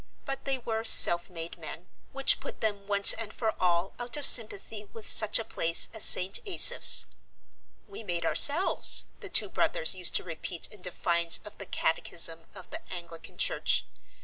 But they were self made men, which put them once and for all out of sympathy with such a place as St. Asaph's. "We made ourselves," the two brothers used to repeat in defiance of the catechism of the Anglican Church.